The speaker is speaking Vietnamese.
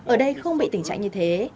ở đây không bị tỉnh chạy như thế